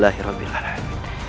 rayus rayus sensa pergi